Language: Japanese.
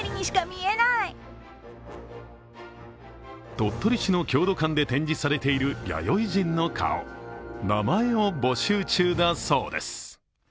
鳥取市の郷土館で展示されている弥生人の顔名前を募集中だそうです。